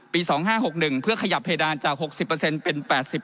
๒๕๖๑เพื่อขยับเพดานจาก๖๐เป็น๘๐